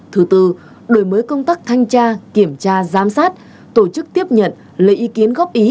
thứ tư đổi mới công tác thanh tra kiểm tra giám sát tổ chức tiếp nhận lấy ý kiến góp ý